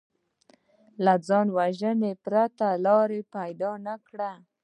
له ځانوژنې پرته لاره پیدا نه کړي